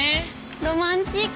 ロマンチック。